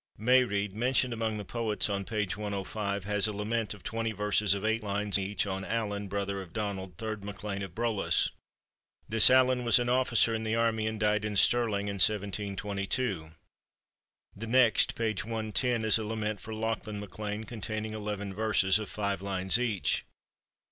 Mairearad, mentioned among the poets on page 105, has a lament of twenty verses of eight lines each on Allan, brother of Donald, third MacLean of Brolass. This Allan was an officer in the army, and died in Stirling, in 1722. The next (p. 110) is a lament for Lachlan MacLean, containing eleven verses of five lines each.